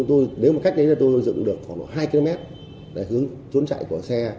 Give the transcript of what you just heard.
nếu cách đấy tôi dựng được khoảng hai km để hướng trốn chạy của xe